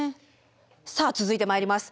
さあ続いてまいります。